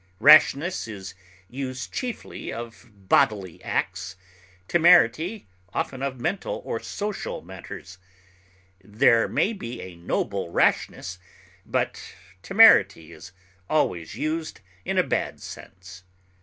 Rashness is used chiefly of bodily acts, temerity often of mental or social matters; there may be a noble rashness, but temerity is always used in a bad sense.